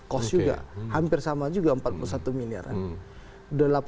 cost juga hampir sama juga empat puluh satu miliaran